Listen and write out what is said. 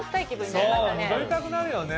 戻りたくなるよね